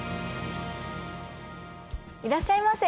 いらっしゃいませ。